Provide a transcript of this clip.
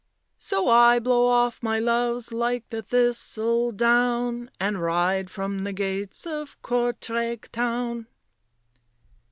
" So I blow off my loves like the thistledown, And ride from the gates of Courtrai town."